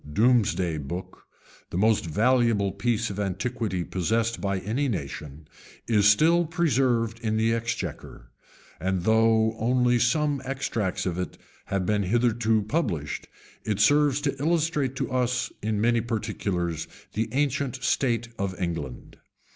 ] This monument, called domesday book, the most valuable piece of antiquity possessed by any nation, is still preserved in the exchequer; and though only some extracts of it have hitherto been published, it serves to illustrate to us, in many particulars, the ancient state of England.